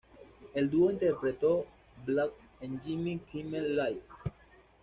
El dúo interpretó "Blackout" en Jimmy Kimmel Live!